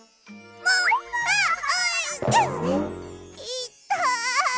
いったい！